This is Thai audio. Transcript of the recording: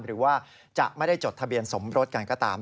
หรือว่าจะไม่ได้จดทะเบียนสมรสกันก็ตาม